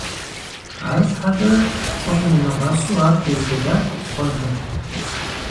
АрщхьэкӀэ щӀым нимыгъэсу ар къиубыдат щӀэжым.